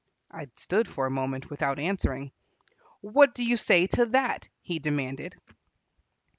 I stood for a moment without answering. "What do you say to that?" he demanded.